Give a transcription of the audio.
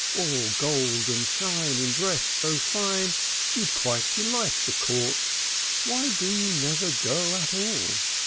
All gold and shine, in dress so fine, You'd quite delight the court. Why do you never go at all?